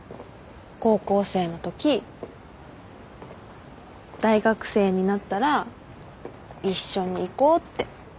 高校生のとき大学生になったら一緒に行こうって。